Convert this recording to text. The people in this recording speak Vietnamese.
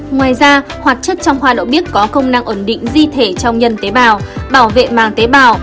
ngoài ra hoạt chất trong hoa đậu bích có công năng ổn định di thể trong nhân tế bào bảo vệ màng tế bào